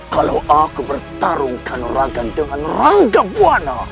kalau aku bertarungkan ragan dengan ranggabuan